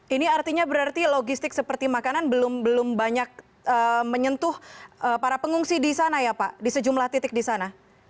ini artinya berarti logistik seperti makanan belum banyak menyentuh para pengungsi di sana ya pak di sejumlah titik di sana